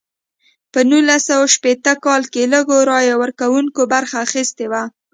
په نولس سوه شپیته کال کې لږو رایه ورکوونکو برخه اخیستې وه.